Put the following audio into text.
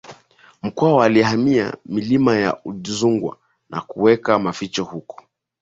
Mkwawa alihamia milima ya Udzungwa na kuweka maficho huko